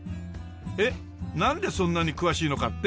えっなんでそんなに詳しいのかって？